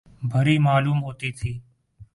بھری معلوم ہوتی تھی ۔